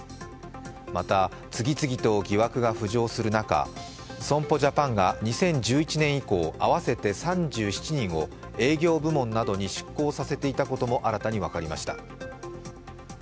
また次々と疑惑が浮上する中、損保ジャパンが２０１１年以降、合わせて３７人を営業部門などに出向させていたことも新たに分かりました。